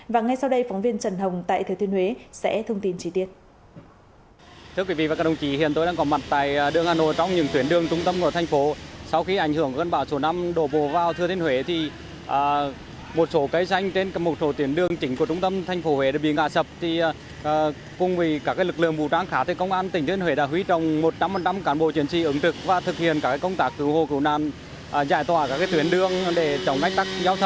và ngay sau đây phóng viên trần hồng tại thủy thuyên huế sẽ thông tin trí tiết